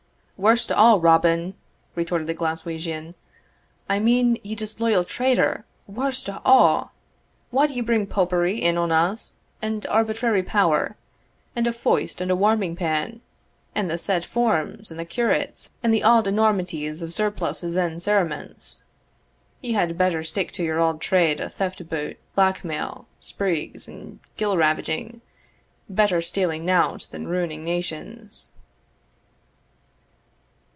"Warst of a', Robin," retorted the Glaswegian, "I mean, ye disloyal traitor Warst of a'! Wad ye bring popery in on us, and arbitrary power, and a foist and a warming pan, and the set forms, and the curates, and the auld enormities o' surplices and cerements? Ye had better stick to your auld trade o' theft boot, black mail, spreaghs, and gillravaging better stealing nowte than ruining nations."